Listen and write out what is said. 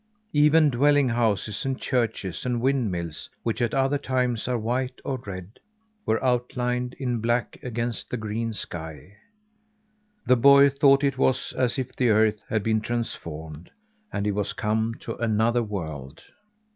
Even dwelling houses and churches and windmills, which at other times are white or red, were outlined in black against the green sky. The boy thought it was as if the earth had been transformed, and he was come to another world.